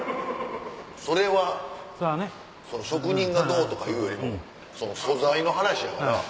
それはその職人がどうとかいうよりもその素材の話やから。